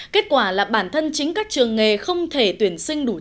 kết quả là bản thân chính các trường nghề không thể tuyển sinh đủ trường